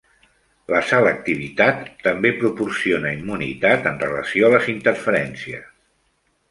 La selectivitat també proporciona immunitat en relació a les interferències.